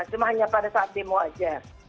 cuma hanya pada saat demo aja